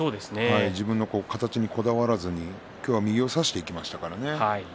自分の形にこだわらずに今日は右を差していきました。